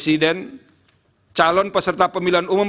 presiden calon peserta pemilihan umum